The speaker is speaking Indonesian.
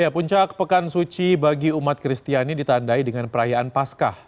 puncak pekan suci bagi umat kristiani ditandai dengan perayaan paskah